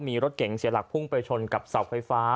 มีรถเก๋งเสียหลักพุ่งไปชนกับเสาไฟฟ้า